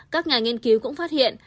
các nhà nghiên cứu cũng phát hiện